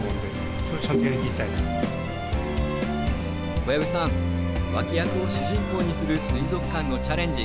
小籔さん脇役を主人公にする水族館のチャレンジ